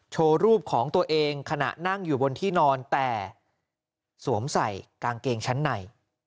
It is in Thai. โชว์รูปของตัวเองขณะนั่งอยู่บนที่นอนแต่สวมใส่กางเกงชั้นใน